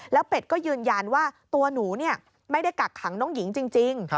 แล้วเป็ดก็ยืนยันว่าตัวหนูไม่ได้กักขังน้องหญิงจริง